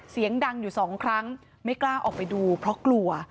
เสียงดังอยู่สองครั้งไม่กล้าออกไปดูเพราะกลัว